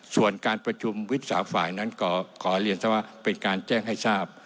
ส่วนการประชุมวิบสามฝ่ายนั้นขอเรียนซะว่าเป็นการแจ้งให้ทราบ